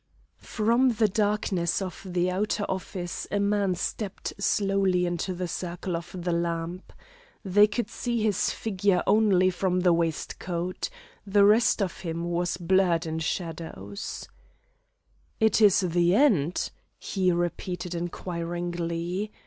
From the darkness of the outer office a man stepped softly into the circle of the lamp. They could see his figure only from the waist down; the rest of him was blurred in shadows. "'It is the end'?" he repeated inquiringly.